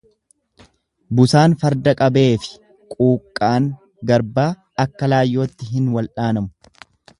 Busaan farda qabeefi quuqqaan garbaa akka laayyootti hin wal'aanamu.